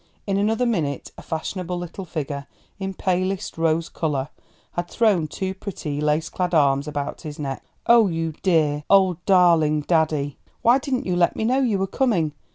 In another minute a fashionable little figure in palest rose colour had thrown two pretty lace clad arms about his neck. "Oh, you dear, old darling daddy! why didn't you let me know you were coming?